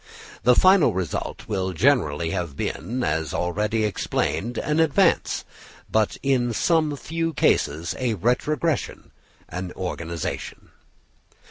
The final result will generally have been, as already explained, an advance, but in some few cases a retrogression, in organisation.